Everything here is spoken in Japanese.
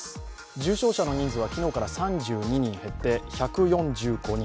重症者の人数は昨日から３７人減って１４５人。